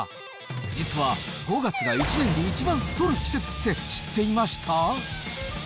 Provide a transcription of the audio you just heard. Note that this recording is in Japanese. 実は５月が１年で一番太る季節って知っていました？